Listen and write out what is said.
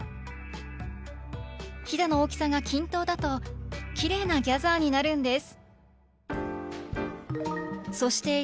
ヒダの大きさが均等だとキレイなギャザーになるんです！